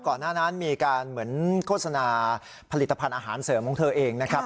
ก่อนหน้านั้นมีการเหมือนโฆษณาผลิตภัณฑ์อาหารเสริมของเธอเองนะครับ